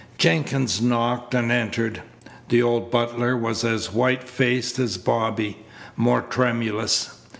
Jenkins knocked and entered. The old butler was as white faced as Bobby, more tremulous.